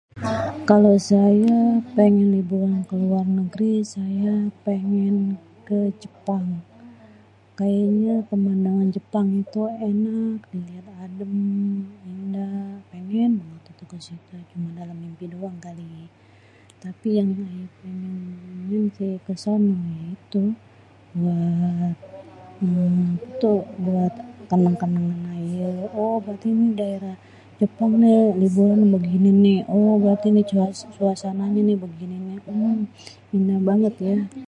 kalo saya pengen liburan keluar negri saya pengen ke jepang kayanya pemandangan jepang itu ènak adêm indah pengen banget ituh kesituh cuma dalem mimpi doang kali yè tapi yang ayê pengennyê si kesonoh ya itu buat ituh buat kenang-kenagan ayê, oh berarti nih daerah jepang neh liburannyê begini nih oh berarti suasananyê begini nih ééé indah banget yaa.